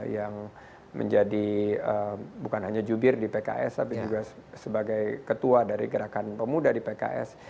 yang menjadi bukan hanya jubir di pks tapi juga sebagai ketua dari gerakan pemuda di pks